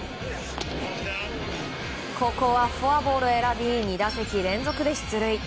ここはフォアボールを選び２打席連続で出塁。